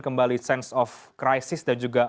kembali sense of crisis dan juga